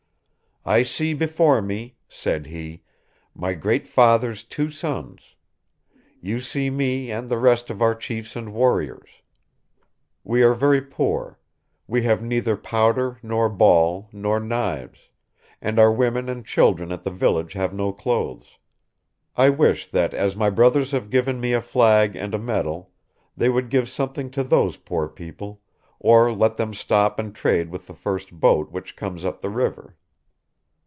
'I see before me,' said he, 'my Great Father's two sons. You see me and the rest of our chiefs and warriors. We are very poor; we have neither powder, nor ball, nor knives; and our women and children at the village have no clothes. I wish that as my brothers have given me a flag and a medal, they would give something to those poor people, or let them stop and trade with the first boat which comes up the river.